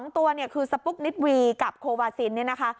๒ตัวคือสปุ๊กนิตวีกับโควาซินนี่นะคะ